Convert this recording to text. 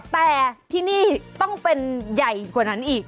แต่ที่นี่ต้องเป็นใหญ่กว่านั้นอีก